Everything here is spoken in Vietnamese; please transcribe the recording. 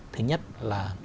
thứ nhất là